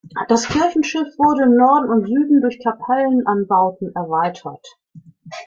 Das Kirchenschiff wurde im Norden und Süden durch Kapellenanbauten erweitert.